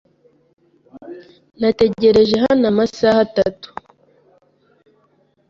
Nategereje hano amasaha atatu.